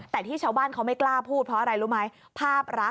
แต่ที่ชาวบ้านเขาไม่กล้าพูดเพราะอะไรรู้ไหมภาพรัก